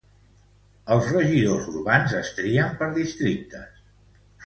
Els regidors urbans es trien per districtes.